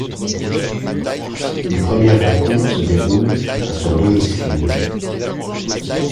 Les premières rencontres se déroulent à son domicile.